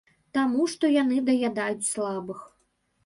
Таму што яны даядаюць слабых.